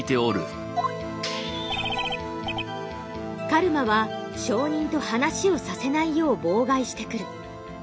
狩魔は証人と話をさせないよう妨害してくる。